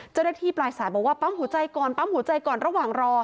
เจ้าหน้าที่ปลายสายบอกว่าปั๊มหัวใจก่อนปั๊มหัวใจก่อนระหว่างรอ